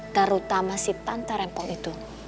terutama si tante repo itu